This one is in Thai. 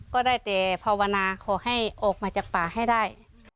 ก็ได้แต่ภาวนาขอให้ออกมาจากป่าให้ได้